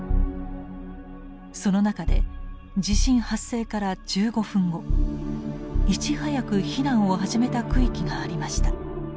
その中で地震発生から１５分後いち早く避難を始めた区域がありました。